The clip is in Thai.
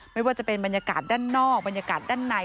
ไม่ว่าจะเป็นบรรยากาศด้านนอกบรรยากาศด้านใน